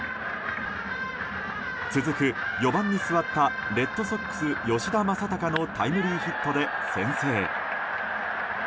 続く４番に座ったレッドソックス吉田正尚のタイムリーヒットで先制。